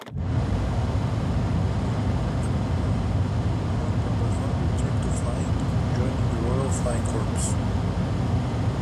With the outbreak of war, Moore-Brabazon returned to flying, joining the Royal Flying Corps.